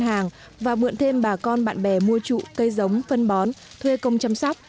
hàng và mượn thêm bà con bạn bè mua trụ cây giống phân bón thuê công chăm sóc